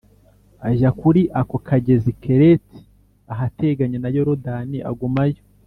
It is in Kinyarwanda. ajya kuri ako kagezi Keriti ahateganye na Yorodani, agumayo